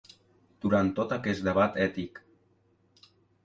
Durant tot aquest debat ètic.